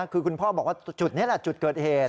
คือคุณพ่อบอกว่าจุดนี้แหละจุดเกิดเหตุ